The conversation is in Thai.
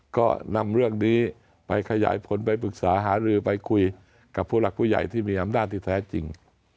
ก็นำเรื่องนี้ไปขยายผลไปปรึกษาหารือไปคุยกับผู้หลักผู้ใหญ่ที่มีอำนาจที่แท้จริง